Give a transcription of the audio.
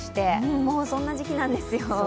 もうそんな時期なんですよ。